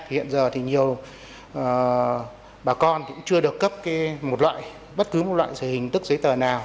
hiện giờ thì nhiều bà con cũng chưa được cấp một loại bất cứ một loại giấy tờ nào